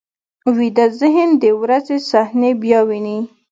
ویده ذهن د ورځې صحنې بیا ویني